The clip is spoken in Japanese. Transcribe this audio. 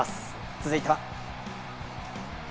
続いては。